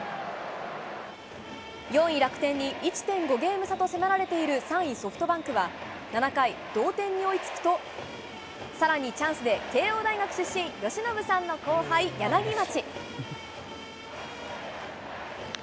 ４位・楽天に１．５ゲーム差と迫られている３位・ソフトバンクは７回、同点に追い付くと、さらにチャンスで慶應大学出身、由伸さんの後輩、柳町。